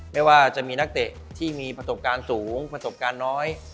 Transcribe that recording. ไม่ว่าจะมีนักเตะที่มีประสบการณ์สูงประสบการณ์น้อย